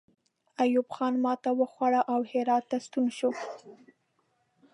ایوب خان ماته وخوړه او هرات ته ستون شو.